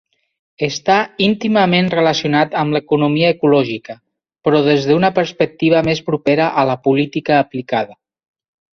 Està íntimament relacionat amb l'economia ecològica, però des d'una perspectiva més propera a la política aplicada.